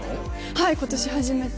はい今年初めて。